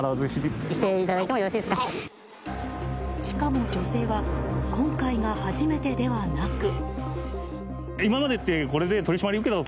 しかも、女性は今回が初めてではなく。